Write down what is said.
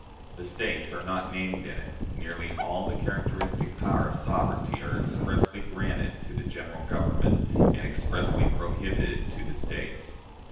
The States are not named in it; nearly all the characteristic powers of sovereignty are expressly granted to the General Government and expressly prohibited to the States."